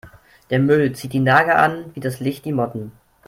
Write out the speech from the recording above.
Der Müll zieht die Nager an wie das Licht die Motten.